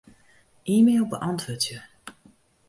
E-mail beäntwurdzje.